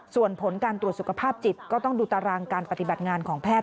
ส่วนผลการตรวจสุขภาพจิตก็ต้องดูตารางการปฏิบัติงานของแพทย